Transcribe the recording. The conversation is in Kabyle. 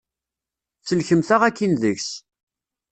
Sellkemt-aɣ akin deg-s.